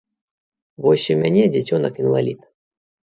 Вось у мяне дзіцёнак-інвалід.